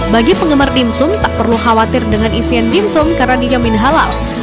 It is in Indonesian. bagi penggemar dimsum tak perlu khawatir dengan isian dimsum karena dijamin halal